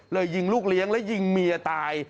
ยิงลูกเลี้ยงและยิงเมียตาย